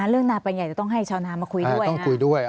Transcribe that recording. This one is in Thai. เรื่องนาปัญหาใหญ่จะต้องให้ชาวนามาคุยด้วย